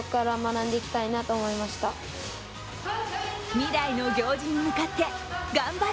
未来の行司に向かって頑張れ！